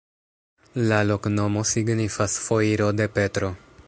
La loknomo signifas: foiro de Petro.